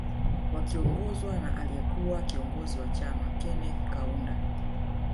Wakiongozwa na aliye kuwa kiongozi wa chama Keneth Kaunda